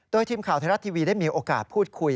โดยทีมข่าวไทยรัฐทีวีได้มีโอกาสพูดคุย